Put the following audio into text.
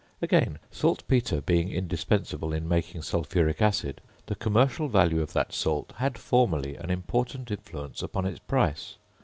Again; saltpetre being indispensable in making sulphuric acid, the commercial value of that salt had formerly an important influence upon its price.